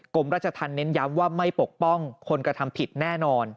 กรมราชธรรมเน้นย้ำว่าไม่ปกป้องคนกระทำผิดแน่นอน